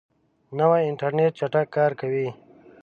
نوی انټرنیټ چټک کار کوي